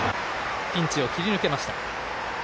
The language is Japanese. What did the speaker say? ピンチを切り抜けました。